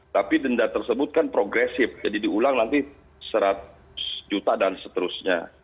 tapi denda tersebut kan progresif jadi diulang nanti seratus juta dan seterusnya